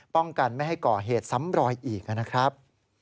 ป้องกันไม่ให้ก่อเหตุซ้ำรอยอีกนะครับ